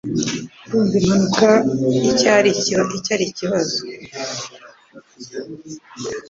Urumva impamvu iki ari ikibazo?